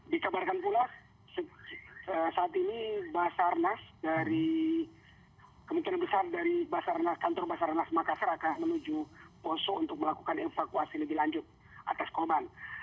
dikabarkan pula saat ini basarnas dari kemungkinan besar dari kantor basarnas makassar akan menuju poso untuk melakukan evakuasi lebih lanjut atas korban